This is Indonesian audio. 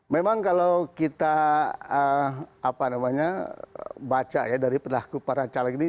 memang kalau kita apa namanya baca ya dari pendakwa para caleg ini